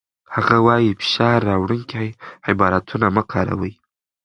هغه وايي، فشار راوړونکي عبارتونه مه کاروئ.